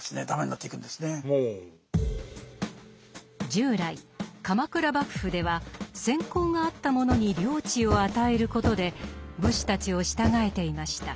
従来鎌倉幕府では戦功があった者に領地を与えることで武士たちを従えていました。